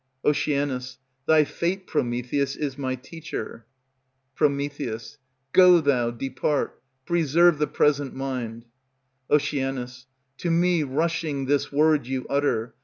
Oc. Thy fate, Prometheus, is my teacher. Pr. Go thou, depart; preserve the present mind. Oc. To me rushing this word you utter.